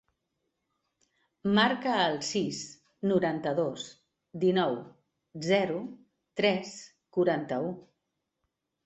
Marca el sis, noranta-dos, dinou, zero, tres, quaranta-u.